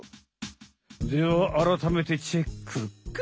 ではあらためてチェックック！